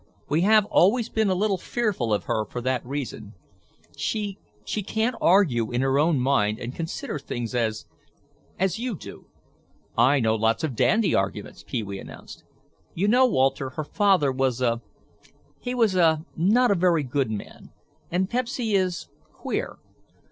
We have always been a little fearful of her for that reason. She—she can't argue in her own mind and consider things as—as you do." "I know lots of dandy arguments," Pee wee announced. "You know, Walter, her father was a—he was a—not a very good man. And Pepsy is—queer.